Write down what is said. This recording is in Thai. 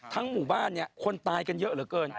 ทั้งหมู่บ้านนี้คนตายกันเยอะเหรอเกิน